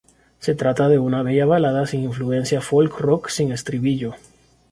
Se trata de una bella balada de influencia folk rock sin estribillo.